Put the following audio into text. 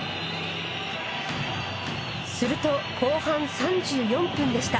すると後半３４分でした。